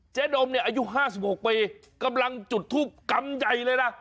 เจ๊ดมนี่อายุ๕๖ปีกำลังจุดทุบกำใจเลยนะ